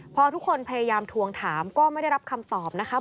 พอทุกคนพยายามทวงถามก็ไม่ได้รับคำตอบนะคะ